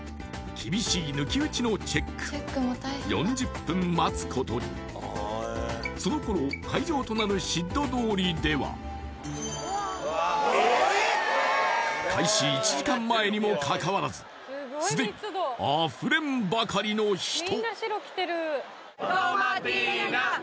厳しい抜き打ちのチェック４０分待つことにその頃会場となるシッド通りでは開始１時間前にもかかわらずすでにあふれんばかりの人！